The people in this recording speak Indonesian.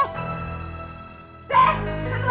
aku akan membantu kamu